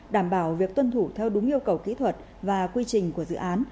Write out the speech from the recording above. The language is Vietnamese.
đảm bảo việc tuân thủ theo đúng yêu cầu kỹ thuật và quy trình của dự án